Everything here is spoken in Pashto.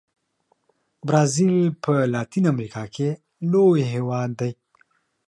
برازیل په لاتین امریکا کې لوی هېواد دی.